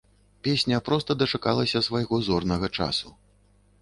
Песня проста дачакалася свайго зорнага часу.